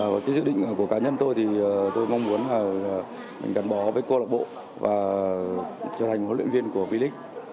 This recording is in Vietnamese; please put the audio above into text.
và cái dự định của cá nhân tôi thì tôi mong muốn là mình gắn bó với câu lạc bộ và trở thành huấn luyện viên của vì lịch